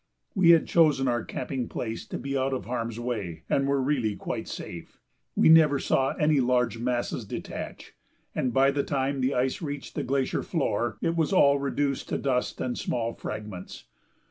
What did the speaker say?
We had chosen our camping place to be out of harm's way and were really quite safe. We never saw any large masses detached, and by the time the ice reached the glacier floor it was all reduced to dust and small fragments.